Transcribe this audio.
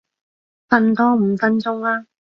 瞓多五分鐘啦